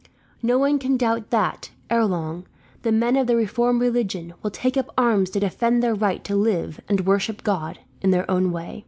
"No one can doubt that, ere long, the men of the reformed religion will take up arms to defend their right to live, and worship God, in their own way.